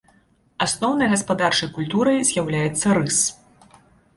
Асноўнай гаспадарчай культурай з'яўляецца рыс.